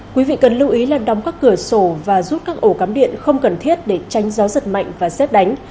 quý vị cần lưu ý là đóng các cửa sổ và rút các ổ cắm điện không cần thiết để tránh gió giật mạnh và xét đánh